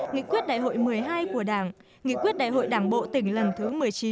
nghị quyết đại hội một mươi hai của đảng nghị quyết đại hội đảng bộ tỉnh lần thứ một mươi chín